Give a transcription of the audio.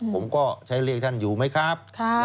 ผมก็ใช้เลขท่านอยู่ไหมครับ